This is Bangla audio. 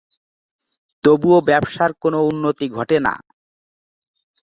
তবুও ব্যবসার কোনো উন্নতি ঘটে না।